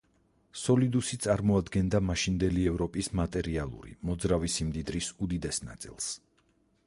სოლიდუსი წარმოადგენდა მაშინდელი ევროპის მატერიალური, მოძრავი, სიმდიდრის უდიდეს ნაწილს.